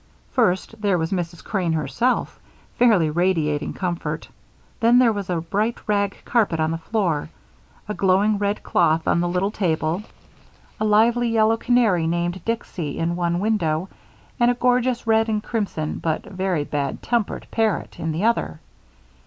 First, there was Mrs. Crane herself, fairly radiating comfort. Then there was a bright rag carpet on the floor, a glowing red cloth on the little table, a lively yellow canary named Dicksy in one window, and a gorgeous red and crimson but very bad tempered parrot in the other.